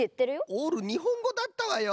オールにほんごだったわよ